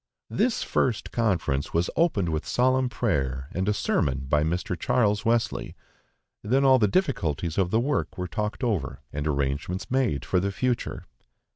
This first conference was opened with solemn prayer and a sermon by Mr. Charles Wesley; then all the difficulties of the work were talked over, and arrangements made for the future.